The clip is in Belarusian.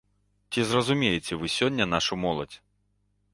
Ці зразумееце вы сёння нашу моладзь?